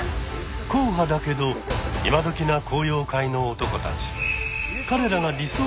硬派だけど今どきな昂揚会の男たち。